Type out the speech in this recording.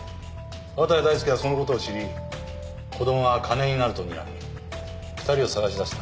綿谷大介はそのことを知り子どもは金になるとにらみ２人を捜し出した。